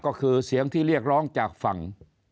ก็คือเสียงที่เรียกร้องจากฝั่ง